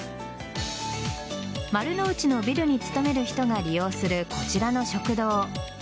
丸の内のビルに勤める人が利用するこちらの食堂。